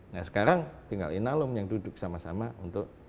nah sekarang tinggal inalum yang duduk sama sama untuk